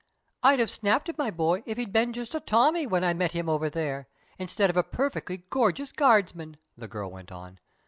"I'd have snapped at my Boy if he'd been just a Tommy when I met him Over There, instead of a perfectly gorgeous Guardsman," the girl went on.